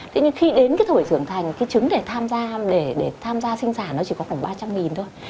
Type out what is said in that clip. thế nhưng khi đến cái thổi sưởng thành cái trứng để tham gia sinh giảm nó chỉ có khoảng ba trăm linh thôi